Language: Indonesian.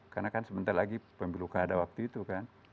karena kan sebentar lagi pemilu kad waktu itu kan